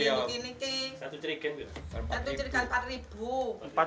satu jirigen untuk mana